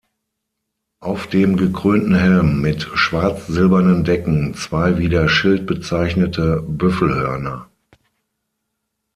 Auf dem gekrönten Helm mit schwarz-silbernen Decken zwei wie der Schild bezeichnete Büffelhörner.